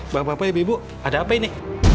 gak apa apa ya bibu ada apa ini